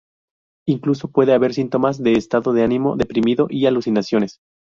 Incluso puede haber síntomas de estado de ánimo deprimido y alucinaciones.